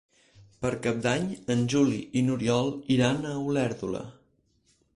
Per Cap d'Any en Juli i n'Oriol iran a Olèrdola.